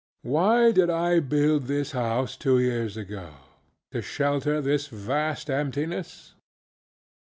Why did I build this house, two years ago? To shelter this vast emptiness?